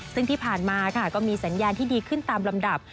ซึ่งที่ผ่านมาค่ะก็มีสัญญาณที่ดีขึ้นตามลำดับ